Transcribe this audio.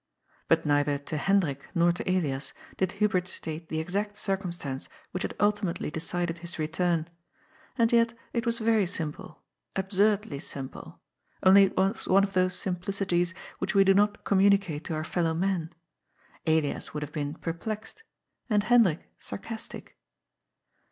* But neither to Hendrik nor to Elias did Hubert state the exact circumstance which had ultimately decided his return. And yet it was very simple— absurdly simple— only it was one of those simplicities which we do not communi cate to our fellow men. Elias would have been perplexed, and Hendrik sarcastic.